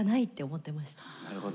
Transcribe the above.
なるほど。